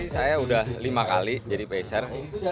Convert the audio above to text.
saya sudah lima kali jadi peser